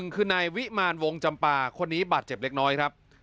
คือนายวิมารวงจำปาคนนี้บาดเจ็บเล็กน้อยครับ